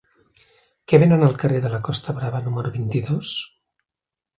Què venen al carrer de la Costa Brava número vint-i-dos?